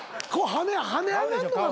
跳ね上がるのか？